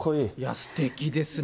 すてきですね。